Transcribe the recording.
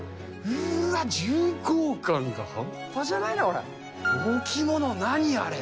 うーわ、重厚感が半端じゃないな、これ。